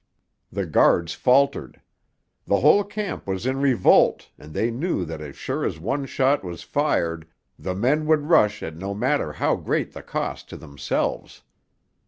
The guards faltered. The whole camp was in revolt and they knew that as sure as one shot was fired the men would rush at no matter how great the cost to themselves.